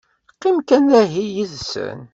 Qqim kan dahi yid-sen.